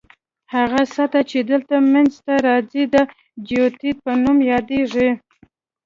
هغه سطح چې دلته منځ ته راځي د جیوئید په نوم یادیږي